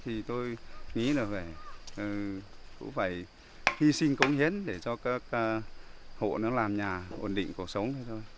thì tôi nghĩ là phải cũng phải hy sinh công hiến để cho các hộ nó làm nhà ổn định cuộc sống